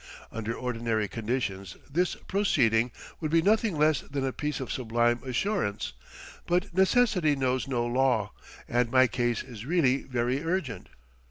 Under ordinary conditions this proceeding would be nothing less than a piece of sublime assurance; but necessity knows no law, and my case is really very urgent.